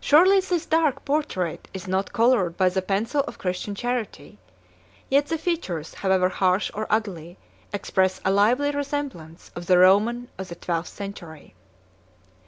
Surely this dark portrait is not colored by the pencil of Christian charity; 17 yet the features, however harsh or ugly, express a lively resemblance of the Roman of the twelfth century.